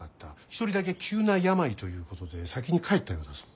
一人だけ急な病ということで先に帰ったようだぞ。